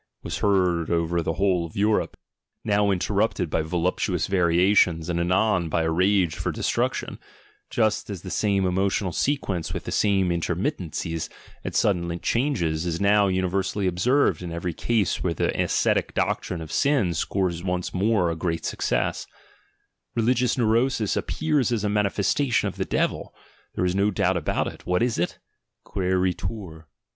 was heard over the whole of Europe, now interrupted by voluptuous variations and anon by a rage for destruction, just as the same emotional sequence with the same intermittencies and sudden changes is now uni versally observed in every case where the ascetic doc trine of sin scores once more a great success (religious neurosis appears as a manifestation of the devil, there is no doubt of it. What is it? Quceritur)